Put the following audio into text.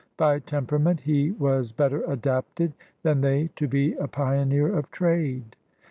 By temperament he was better adapted than they to be a pioneer of trade.